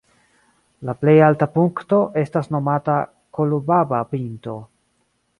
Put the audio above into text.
La plej alta punkto estas nomata "Kolubaba"-pinto.